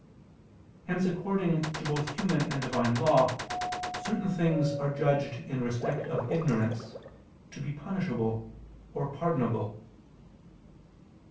Hence according to both human and Divine law, certain things are judged in respect of ignorance to be punishable or pardonable.